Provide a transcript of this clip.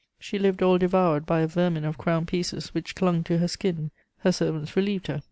She lived all devoured by a vermin of crown pieces which clung to her skin; her servants relieved her.